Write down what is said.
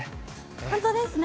本当ですね。